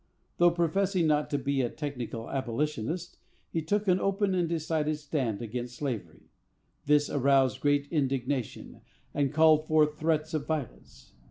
Though professing not to be a technical abolitionist, he took an open and decided stand against slavery. This aroused great indignation, and called forth threats of violence.